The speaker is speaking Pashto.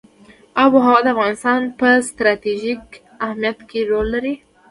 آب وهوا د افغانستان په ستراتیژیک اهمیت کې رول لري.